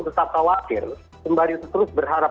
tetap khawatir sembari terus berharap